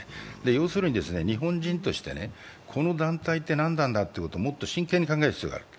要するに日本人としてこの団体って何なんだってもっと真剣に考える必要がある。